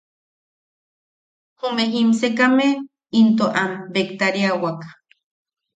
Jume jimsekame into am bektariawak.